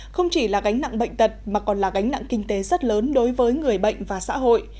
không chỉ là gánh nặng bệnh tật mà còn là gánh nặng kinh tế rất lớn đối với người bệnh và xã hội